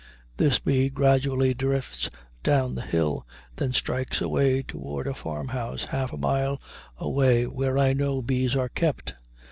This bee gradually drifts down the hill, then strikes away toward a farmhouse half a mile away where I know bees are kept.